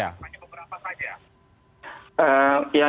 hanya beberapa saja